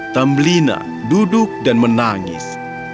tambelina duduk dan menangis